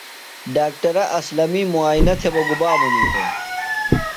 ڈاکٹرہ اسلمی مُعائنہ تھےۡ بہ گُبا منِیتوۡ؟